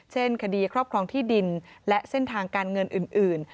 เช่นคดีครอบครองที่ดินและเส้นทางการเงินอื่น